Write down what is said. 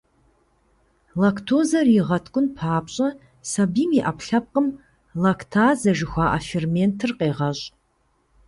Лактозэр игъэткӀун папщӀэ, сабийм и Ӏэпкълъэпкъым лактазэ жыхуаӀэ ферментыр къегъэщӀ.